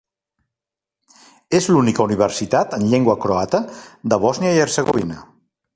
És l'única universitat en llengua croata de Bòsnia i Hercegovina.